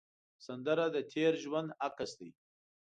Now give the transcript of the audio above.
سندره د تېر ژوند عکس دی